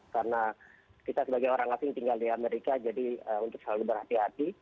karena kita sebagai orang asing tinggal di amerika jadi untuk selalu berhati hati